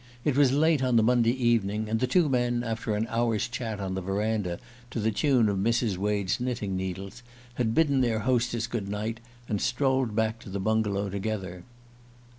It was late on the Monday evening, and the two men, after an hour's chat on the verandah to the tune of Mrs. Wade's knitting needles, had bidden their hostess good night and strolled back to the bungalow together.